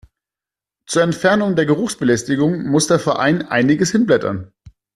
Zur Entfernung der Geruchsbelästigung muss der Verein einiges hinblättern.